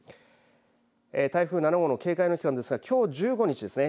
台風７号の警戒の期間ですがきょう１５日ですね